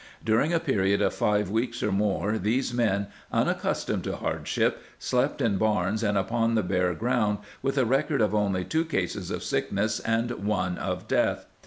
During a period of five weeks or more these men, unaccustomed to hardship, slept in barns and upon the bare ground, with a record of only two cases of sickness and one of death.